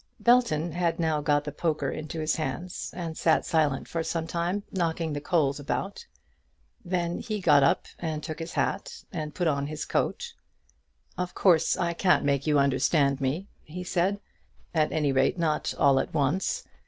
Belton had now got the poker into his hands, and sat silent for some time, knocking the coals about. Then he got up, and took his hat, and put on his coat. "Of course I can't make you understand me," he said; "at any rate not all at once.